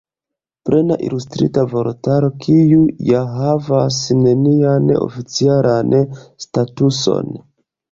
Plena Ilustrita Vortaro, kiu ja havas nenian oficialan statuson!